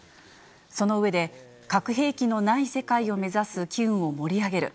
その上で、核兵器のない世界を目指す機運を盛り上げる。